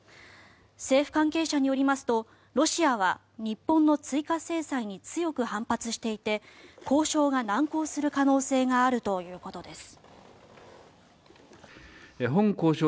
政府関係者によりますとロシアは日本の追加制裁に強く反発していて交渉が難航する可能性があるということです。